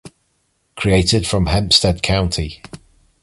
Created from Hempstead County.